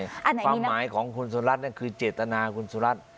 ความหมายของคุณสุรัตน์คือเจตนาคุณสุรัตน์